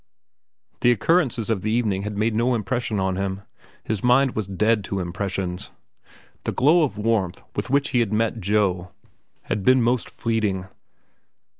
The occurrences of the evening had made no impression on him. His mind was dead to impressions. The glow of warmth with which he met Joe had been most fleeting.